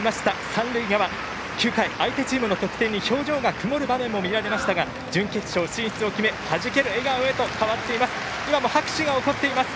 三塁側、９回相手チームの得点に表情が曇る場面も見られましたが準決勝進出を決めはじける笑顔となっています。